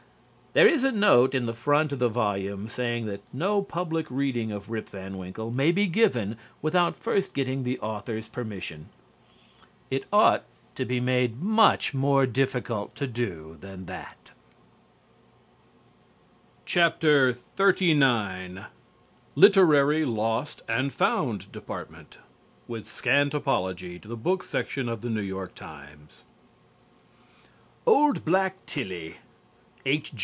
There is a note in the front of the volume saying that no public reading of "Rip Van Winkle" may be given without first getting the author's permission. It ought to be made much more difficult to do than that. XXXIX LITERARY LOST AND FOUND DEPARTMENT With Scant Apology to the Book Section of the New York Times. "OLD BLACK TILLIE" H.